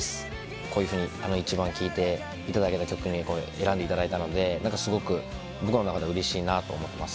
こういうふうに一番聴いていただけた曲に選んでいただいたので、なんかすごく、僕の中ではうれしいなと思っています。